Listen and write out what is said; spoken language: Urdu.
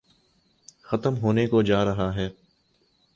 ختم ہونے کوجارہاہے۔